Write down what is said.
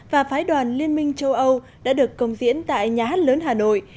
và phái đoàn liên minh châu âu đã được công diễn tại nhà hát lớn hà nội